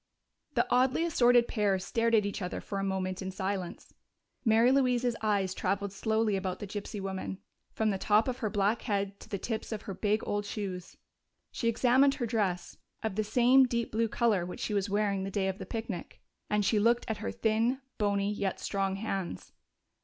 The oddly assorted pair stared at each other for a moment in silence. Mary Louise's eyes traveled slowly about the gypsy woman, from the top of her black head to the tips of her big old shoes. She examined her dress of the same deep blue color which she was wearing the day of the picnic and she looked at her thin, bony, yet strong hands....